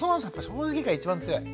正直が一番強い。